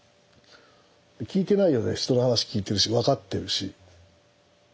聞いてないようで人の話聞いてるし分かってるし。